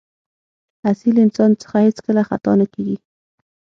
اصیل انسان څخه هېڅکله خطا نه کېږي.